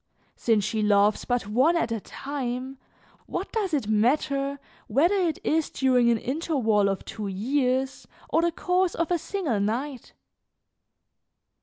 Since she loves but one at a time what does it matter whether it is during an interval of two years or the course of a single night?